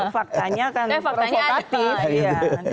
faktanya kan provokatif